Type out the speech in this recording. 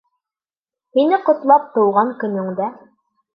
Һине ҡотлап тыуған көнөңдә.